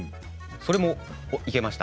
それもいけました。